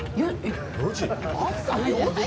４時。